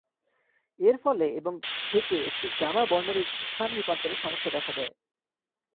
এর ফলে এবং থেকে একটি গামা বর্ণালি স্থান রূপান্তরে সমস্যা দেখা দেয়।